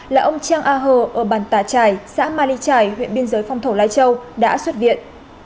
là ông trang a hờ ở bàn tà trải xã mali trải huyện biên giới phong thổ lai châu đã xuất viện